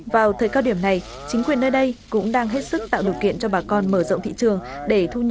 vào thời cao điểm này chính quyền nơi đây cũng đang hết sức tạo điều kiện cho bà con mở rộng thị trường để thu nhập đầu ra được thuận lợi